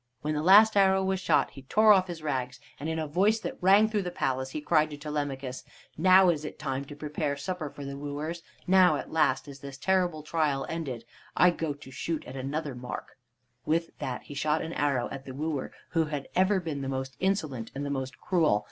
When the last arrow was shot he tore off his rags, and in a voice that rang through the palace he cried to Telemachus: "Now is it time to prepare supper for the wooers! Now, at last, is this terrible trial ended. I go to shoot at another mark!" With that he shot an arrow at the wooer who had ever been the most insolent and the most cruel.